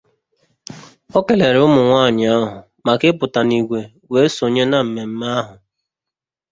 O kelere ụmụnwaanyị ahụ maka ịpụtà n'ìgwè wee sonye na mmemme ahụ